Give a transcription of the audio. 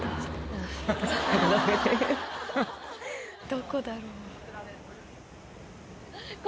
どこだろう？